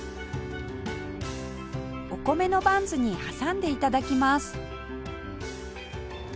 お米のバンズに挟んで頂きます